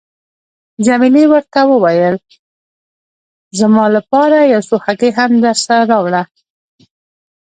جميله ورته وویل: زما لپاره یو څو هګۍ هم درسره راوړه.